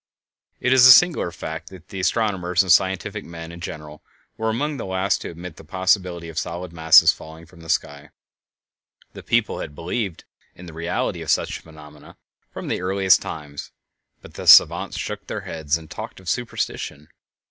It is a singular fact that astronomers and scientific men in general were among the last to admit the possibility of solid masses falling from the sky. The people had believed in the reality of such phenomena from the earliest times, but the savants shook their heads and talked of superstition.